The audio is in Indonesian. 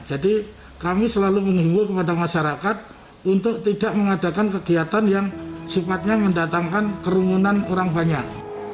jadi kami selalu menunggu kepada masyarakat untuk tidak mengadakan kegiatan yang sifatnya mendatangkan kerumunan orang banyak